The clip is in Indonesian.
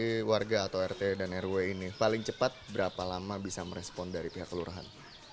dari warga atau rt dan rw ini paling cepat berapa lama bisa merespon dari pihak kelurahan